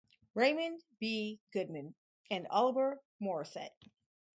Raymond, B. Goodman, and Oliver Morrisette.